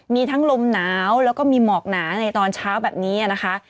มีทั้งลมหนาวแล้วก็มีหมอกหนาในตอนเช้าแบบนี้นะคะ